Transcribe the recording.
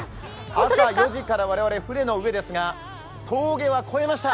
朝４時から我々、船の上ですが峠は越えました！